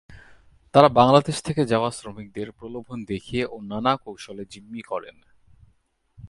তাঁরা বাংলাদেশ থেকে যাওয়া শ্রমিকদের প্রলোভন দেখিয়ে ও নানা কৌশলে জিম্মি করেন।